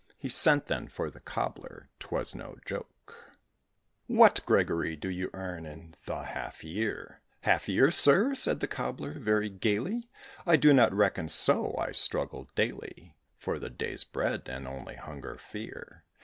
He sent, then, for the Cobbler ('twas no joke): "What, Gregory, do you earn in the half year?" "Half year, sir!" said the Cobbler, very gaily; "I do not reckon so. I struggle daily For the day's bread, and only hunger fear."